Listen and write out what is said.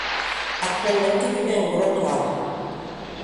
Actualmente vive en Wrocław.